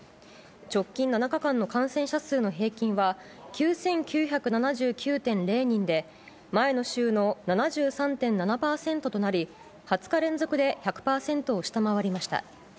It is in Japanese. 直近７日間の感染者数の平均は、９９７９．０人で、前の週の７３．７％となり、２０日連続で１００％を下回りました。